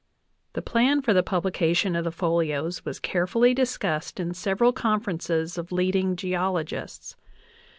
The plan for the publication of the folios was carefully discussed in several conferences, of leading geologists